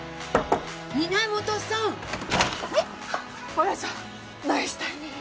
大家さんナイスタイミング！